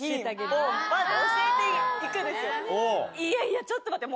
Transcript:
いやいやちょっと待って。